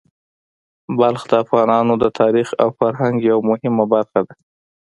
بلخ د افغانانو د تاریخ او فرهنګ یوه مهمه برخه ده.